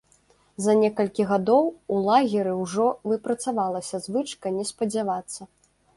За некалькі гадоў у лагеры ўжо выпрацавалася звычка не спадзявацца.